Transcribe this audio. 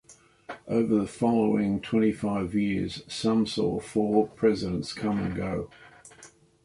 Over the following twenty-five years, Sum saw four Presidents come and go.